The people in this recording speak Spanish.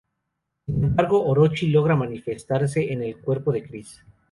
Sin embargo, Orochi logra manifestarse en el cuerpo de Chris.